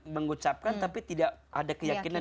mengucapkan tapi tidak ada keyakinan